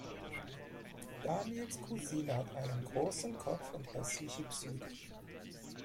Daniels Cousine hat "einen großen Kopf und häßliche Züge".